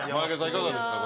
いかがですか？